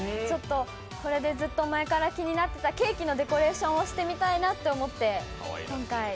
これでずっと前から気になっていたケーキのデコレーションをしてみたいなと思って。